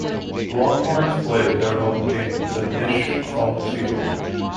The Longhorns played their home games at Disch–Falk Field.